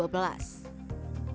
jadi mereka bisa membuatnya lebih mudah